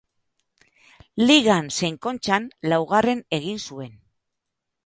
Ligan zein Kontxan laugarren egin zuen.